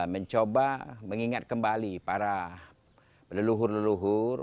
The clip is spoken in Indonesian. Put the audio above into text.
mencoba mengingat kembali para leluhur leluhur